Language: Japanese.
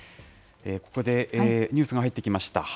ここでニュースが入ってきました。